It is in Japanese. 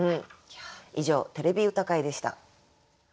以上「てれび歌会」でした。